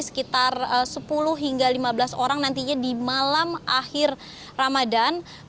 sekitar sepuluh hingga lima belas orang nantinya di malam akhir ramadan